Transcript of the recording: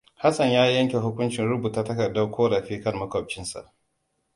Hassan ya yanke hukuncin rubuta takardar ƙorafi kan maƙwabcinsa.